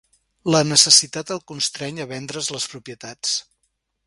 La necessitat el constreny a vendre's les propietats.